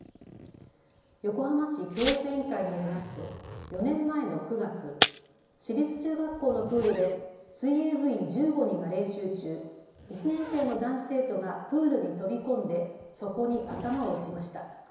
横浜市教育委員会によりますと４年前の９月、市立中学校のプールで水泳部員１５人が練習中、１年生の男子生徒がプールに飛び込んで底に頭を打ちました。